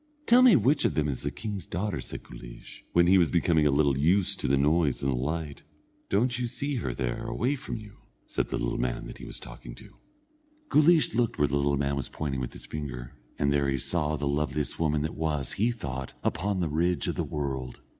"Tell me which of them is the king's daughter," said Guleesh, when he was becoming a little used to the noise and the light. "Don't you see her there away from you?" said the little man that he was talking to. Guleesh looked where the little man was pointing with his finger, and there he saw the loveliest woman that was, he thought, upon the ridge of the world.